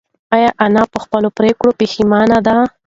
ایا انا په خپله پرېکړه پښېمانه ده؟